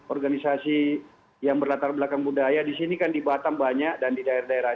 organisasi yang berlatar belakang budaya di sini kan di batam banyak dan di daerah daerah